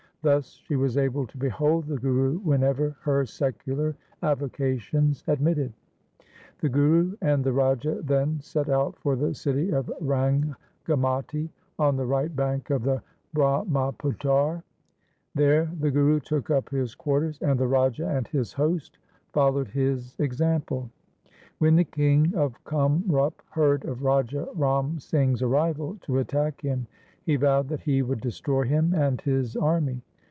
Thus she was able to behold the Guru whenever her secular avocations admitted. The Guru and the Raja then set out for the city of Rangamati on the right bank of the Brahmaputar, sikh. iv A a 354 THE SIKH RELIGION There the Guru took up his quarters, and the Raja and his host followed his example. When the king of Kamrup heard of Raja Ram Singh's arrival to attack him, he vowed that he would destroy him and his army.